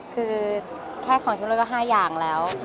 คือแค่ของชำรวยก็๕อย่างแล้ว